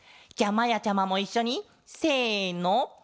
じゃあまやちゃまもいっしょにせの。